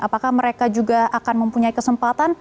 apakah mereka juga akan mempunyai kesempatan